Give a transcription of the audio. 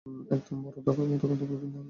একদম বড়োদের মতো কথা বলবি না, বুঝলি?